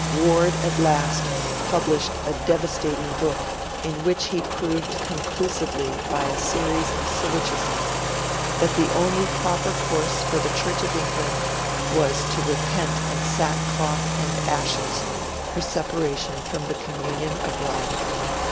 Ward at last published a devastating book in which he proved conclusively, by a series of syllogisms, that the only proper course for the Church of England was to repent in sackcloth and ashes her separation from the Communion of Rome.